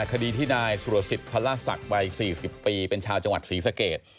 คดีที่นายสุรสิทธิพระศักดิ์วัย๔๐ปีเป็นชาวจังหวัดศรีสเกต